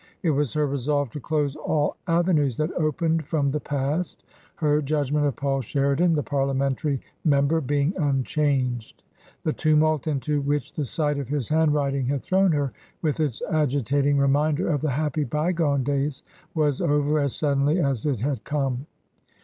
It was her resolve to close all avenues that opened from the past — her judgment of Paul Sheridan the Parliamentary member being unchanged. The tumult into which the sight of his handwriting had thrown her, with its agi tating reminder of the happy by gone days, was over as suddenly as it had come.